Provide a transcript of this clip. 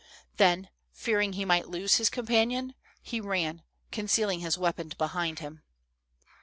Then, fearing he might lose his companion, he ran, concealing his weapon behind him.